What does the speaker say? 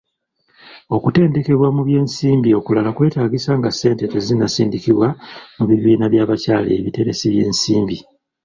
Okutendekebwa mu by'ensimbi okulala kwetaagisa nga ssente tezinnasindikibwa mu bibiina by'abakyala ebiteresi by'ensimbi.